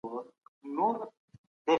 هر فرد باید خپل مسوولیت وپیژني.